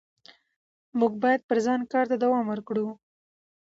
موږ باید پر ځان کار ته دوام ورکړو